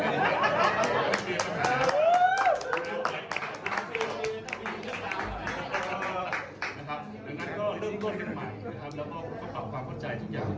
ดังนั้นก็เริ่มต้นกันใหม่นะครับแล้วก็ผมก็ปรับความเข้าใจทุกอย่าง